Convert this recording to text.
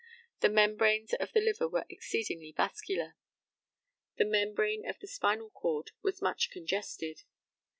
The membranes of the liver were exceedingly vascular. The membrane of the spinal cord was much congested.